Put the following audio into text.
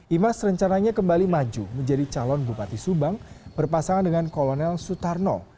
imas rencananya kembali maju menjadi calon bupati subang berpasangan dengan kolonel sutarno